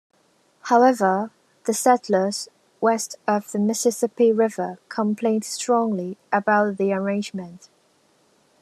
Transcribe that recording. However, the settlers west of the Mississippi River complained strongly about the arrangement.